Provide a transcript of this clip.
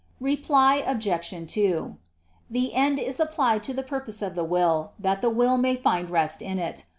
Reply Obj. 2: The end is applied to the purpose of the will, that the will may find rest in it.